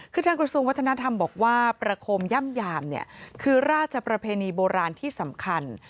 คือทางกระทรวงวัฒนธรรมบอกว่าประคมย่ำยามเนี่ยคือราชประเพณีโบราณที่สำคัญ